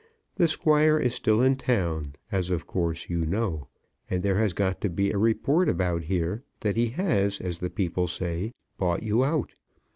The Squire is still in town, as, of course, you know; and there has got to be a report about here that he has, as the people say, bought you out.